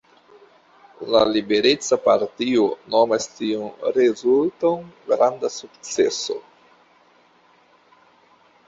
La Libereca Partio nomas tiun rezulton granda sukceso.